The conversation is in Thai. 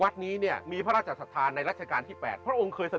วัดสุทัศน์นี้จริงแล้วอยู่มากี่ปีตั้งแต่สมัยราชการไหนหรือยังไงครับ